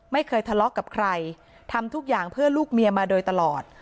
ไม่เคยทะเลาะกับใครทำทุกอย่างเพื่อลูกเมียมาโดยตลอด